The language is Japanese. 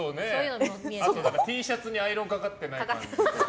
Ｔシャツにアイロンかかってないとかね。